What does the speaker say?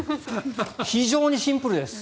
非常にシンプルです。